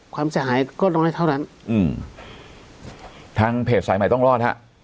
ความเสียหายก็น้อยเท่านั้นอืมทางเพจสายใหม่ต้องรอดฮะ